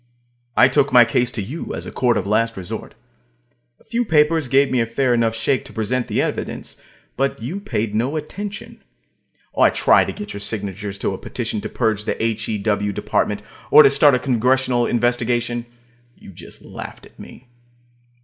I took my case to you, as a court of last resort. A few papers gave me a fair enough shake to present the evidence, but you paid no attention. I tried to get your signatures to a petition to purge the H.E.W. Department, or to start a Congressional investigation. You just laughed at me.